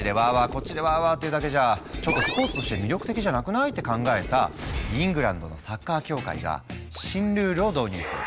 こっちでわわっていうだけじゃ「ちょっとスポーツとして魅力的じゃなくない？」って考えたイングランドのサッカー協会が新ルールを導入する。